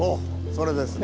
それですね。